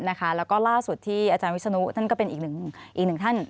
แล้วก็ล่าสุดที่อาจารย์วิศนุท่านก็เป็นอีกหนึ่งท่าน